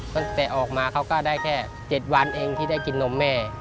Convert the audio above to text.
ตั้งแต่ออกมาเขาก็ได้แค่๗วันเองที่ได้กินนมแม่